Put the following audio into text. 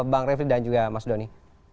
bang refli dan juga mas doni